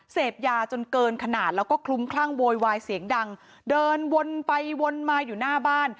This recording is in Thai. เสพยาจนเกินขนาดแล้วก็คลุ้มคลั่งโวยวายเสียงดังเดินวนไปวนมาอยู่หน้าบ้าน